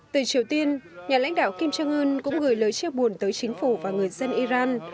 từ triều tiên nhà lãnh đạo kim jong un cũng gửi lời chia buồn tới chính phủ và người dân iran